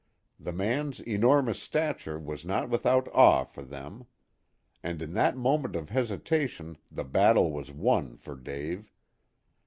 The man's enormous stature was not without awe for them. And in that moment of hesitation the battle was won for Dave.